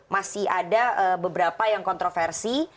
masih ada beberapa yang kontroversi